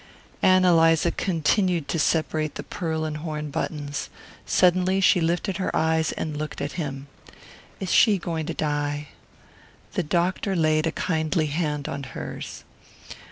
Ann Eliza continued to separate the pearl and horn buttons. Suddenly she lifted her eyes and looked at him. "Is she going to die?" The doctor laid a kindly hand on hers.